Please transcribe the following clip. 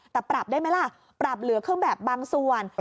แต่ปรับได้ไหมล่ะปรับเหลือเครื่องแบบบางส่วน